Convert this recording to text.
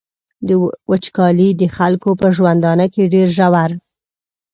وچکالي د خلکو په ژوندانه کي ډیر ژور.